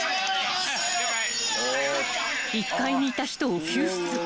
［１階にいた人を］